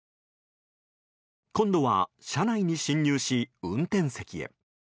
今度は車内に侵入し運転席へ。